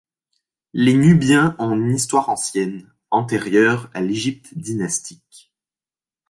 Les Nubiens ont une histoire ancienne, antérieure à l’Égypte dynastique.